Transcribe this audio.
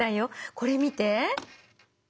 これ見て。